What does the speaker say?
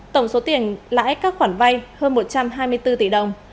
tổng số tiền lãi các khoản vay hơn một trăm hai mươi bốn tỷ đồng